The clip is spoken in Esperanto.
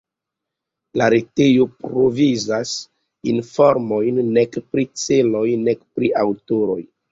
La retejo provizas informojn nek pri celoj, nek pri aŭtoroj.